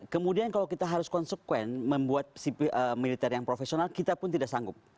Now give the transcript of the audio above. kemudian kalau kita harus konsekuen membuat si militer yang profesional kita pun tidak sanggup